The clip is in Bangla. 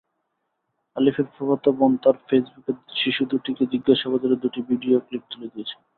আলিফের ফুফাতো বোন তাঁর ফেসবুকে শিশু দুটিকে জিজ্ঞাসাবাদের দুটি ভিডিও ক্লিপ তুলে দিয়েছেন।